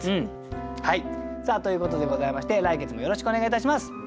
さあということでございまして来月もよろしくお願いいたします。